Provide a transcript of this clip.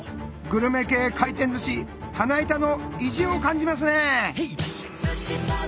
グルメ系回転寿司花板の意地を感じますね。